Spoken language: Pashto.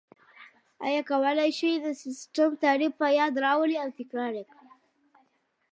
آیا کولای شئ د سیسټم تعریف په یاد راولئ او تکرار یې کړئ؟